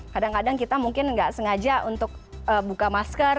kadang kadang kita mungkin nggak sengaja untuk buka masker